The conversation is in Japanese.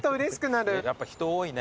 やっぱ人多いね。